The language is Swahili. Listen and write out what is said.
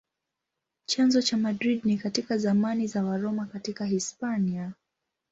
Chanzo cha Madrid ni katika zamani za Waroma katika Hispania.